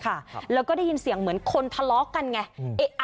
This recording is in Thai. ครับแล้วก็ได้ยินเสียงเหมือนคนทะเลาะกันไง